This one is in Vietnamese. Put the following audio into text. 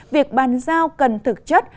việc bàn giao cần thực chất